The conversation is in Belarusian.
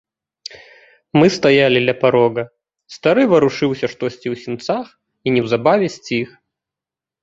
Мы стаялі ля парога, стары варушыўся штосьці ў сенцах і неўзабаве сціх.